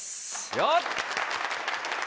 よっ！